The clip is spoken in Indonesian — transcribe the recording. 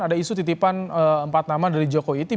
ada isu titipan empat nama dari jokowi